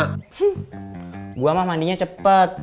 kau mah mandinya cepet